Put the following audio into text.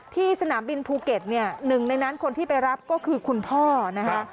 สนามบินภูเก็ตเนี่ยหนึ่งในนั้นคนที่ไปรับก็คือคุณพ่อนะคะ